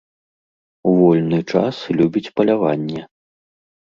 У вольны час любіць паляванне.